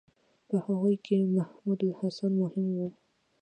په هغوی کې محمودالحسن مهم و.